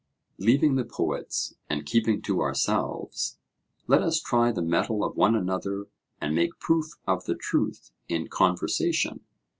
Leaving the poets, and keeping to ourselves, let us try the mettle of one another and make proof of the truth in conversation.